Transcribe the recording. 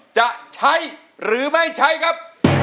จะใช้หรือไม่ใช้ครับ